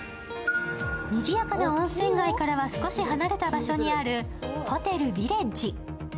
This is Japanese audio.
にぎやかな温泉街からは少し離れた場所にあるホテルヴィレッジ。